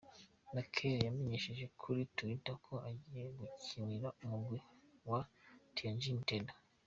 Mikel yamenyesheje kuri Twitter ko agiye gukinira umugwi wa Tianjin Teda.